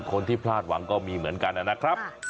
คนที่พลาดหวังก็มีเหมือนกันนะครับ